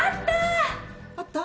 ・あった！